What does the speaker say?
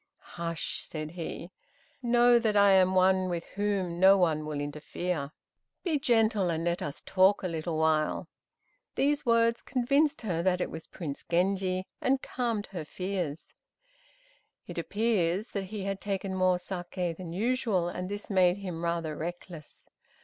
"Hush," said he; "know that I am one with whom no one will interfere; be gentle, and let us talk a little while." These words convinced her that it was Prince Genji, and calmed her fears. It appears that he had taken more saké than usual, and this made him rather reckless.